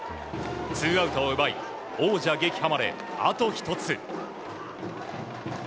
ツーアウトを奪い王者撃破まであと１つ。